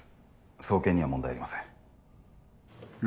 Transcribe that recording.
送検には問題ありません。